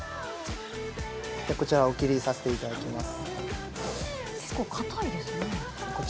こちら、お切りさせていただきます。